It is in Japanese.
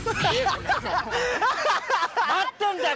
待ってんだよ